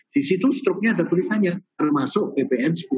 di situ struknya ada tulisannya termasuk ppn sepuluh